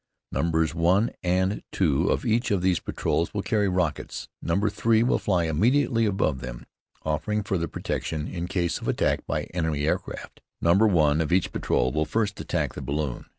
Numbers 1 and 2 of each of these patrols will carry rockets. Number 3 will fly immediately above them, offering further protection in case of attack by enemy aircraft. Number 1 of each patrol will first attack the balloon.